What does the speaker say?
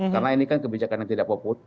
karena ini kan kebijakan yang tidak populis